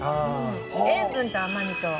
塩分と甘みと。